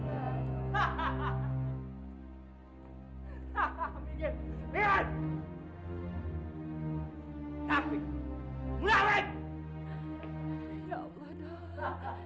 ayah tidak akan meninggal